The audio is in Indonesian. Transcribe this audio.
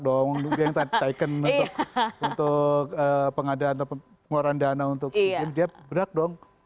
ya berhak dong yang taikan untuk pengadaan atau pengeluaran dana untuk sebagainya dia berhak dong